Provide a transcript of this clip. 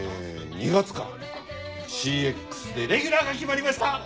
２月からＣＸでレギュラーが決まりました。